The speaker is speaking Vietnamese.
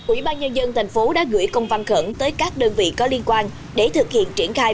ủy ban nhân dân thành phố đã gửi công văn khẩn tới các đơn vị có liên quan để thực hiện triển khai